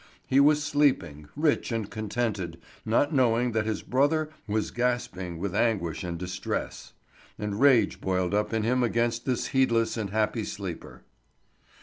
He was sleeping, rich and contented, not knowing that his brother was gasping with anguish and distress. And rage boiled up in him against this heedless and happy sleeper.